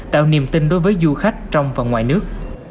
tạo niềm tin đối với du khách trong và ngoài nước